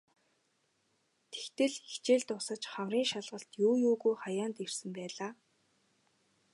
Тэгтэл ч хичээл дуусаж хаврын шалгалт юу юугүй хаяанд ирсэн байлаа.